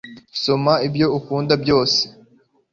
soma ibyo ukunda byose